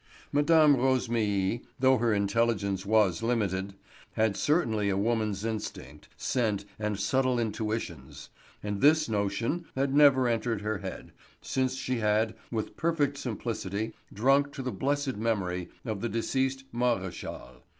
Mme. Rosémilly, though her intelligence was limited, had certainly a woman's instinct, scent, and subtle intuitions. And this notion had never entered her head, since she had, with perfect simplicity, drunk to the blessed memory of the deceased Maréchal.